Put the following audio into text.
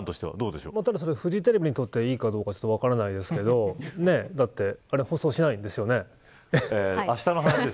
ただ、それがフジテレビにとってはいいかどうか分からないですけどだって放送しないんですよね。